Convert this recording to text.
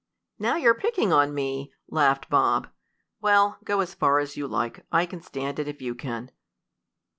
"Now you're picking on me!" laughed Bob. "Well, go as far as you like, I can stand it if you can."